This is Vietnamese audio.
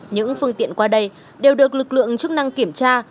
những phương tiện qua đây đều được lực lượng chức năng kiểm tra